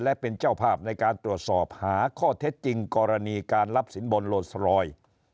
และเป็นเจ้าภาพในการตรวจสอบหาข้อเท็จจริงกรณีการรับสินบนโลสรอย